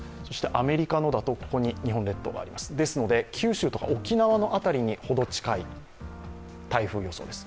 アメリカのだと、ここに日本列島がありますので、九州や沖縄の辺りにほど近い台風予想です。